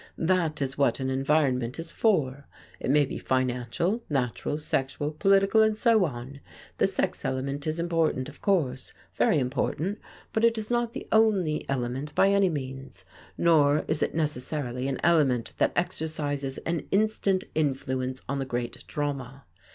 That is what an environment is for. It may be financial, natural, sexual, political, and so on. The sex element is important, of course very important. But it is not the only element by any means; nor is it necessarily an element that exercises an instant influence on the great drama.